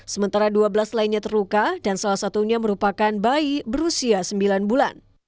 sementara dua belas lainnya terluka dan salah satunya merupakan bayi berusia sembilan bulan